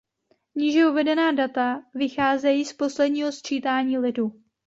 Níže uvedená data vycházejí z posledního sčítání lidu.